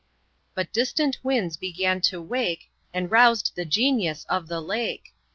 But distant winds began to wake, And roused the Genius of the Lake!